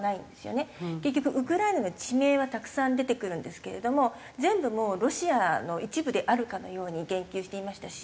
結局ウクライナの地名はたくさん出てくるんですけれども全部もうロシアの一部であるかのように言及していましたし